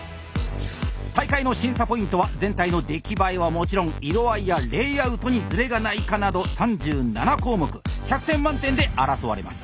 大会の審査ポイントは全体の出来栄えはもちろん色合いやレイアウトにズレがないかなど３７項目１００点満点で争われます。